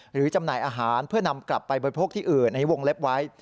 จำหน่ายอาหารเพื่อนำกลับไปบริโภคที่อื่นในวงเล็บไว้